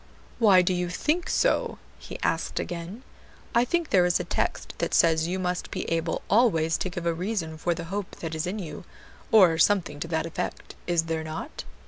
"Why do you think so?" he asked again, "I think there is a text that says you must be able always to give a reason for the hope that is in you, or something to that effect, is there not?"